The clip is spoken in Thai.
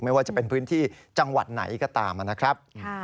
ไม่ว่าจะเป็นพื้นที่จังหวัดไหนก็ตามนะครับ